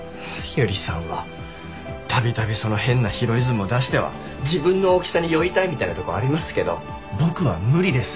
ゆりさんは度々その変なヒロイズムを出しては自分の大きさに酔いたいみたいなとこありますけど僕は無理です